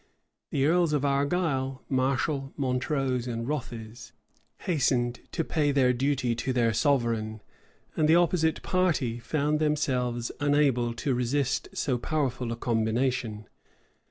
The earls of Argyle, Marshal, Montrose, and Rothes, hastened to pay their duty to their sovereign; and the opposite party found themselves unable to resist so powerful a combination.